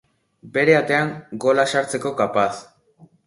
Bere atean gola sartzeko kapaz!